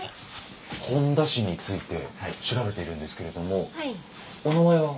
本田氏について調べているんですけれどもお名前は？